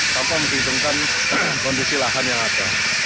tanpa menghitungkan kondisi lahan yang ada